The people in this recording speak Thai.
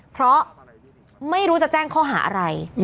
เพราะไม่รู้จะแจ้งข้อหาอะไร